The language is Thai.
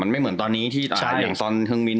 ไม่เหมือนตอนนี้อยากจะมีซ้อนฮึงวิ้น